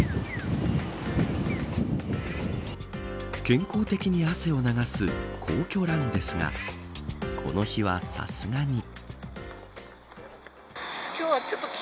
健康的に汗を流す皇居ランですがこの日はさすがに。